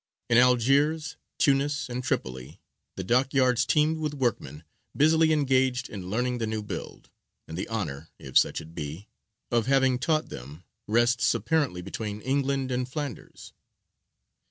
In Algiers, Tunis, and Tripoli the dockyards teemed with workmen busily engaged in learning the new build; and the honour, if such it be, of having taught them rests apparently between England and Flanders.